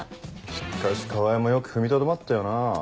しかし川合もよく踏みとどまったよな。